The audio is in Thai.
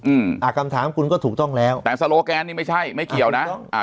อืมอ่าคำถามคุณก็ถูกต้องแล้วแต่โซโลแกนนี่ไม่ใช่ไม่เกี่ยวนะอ่า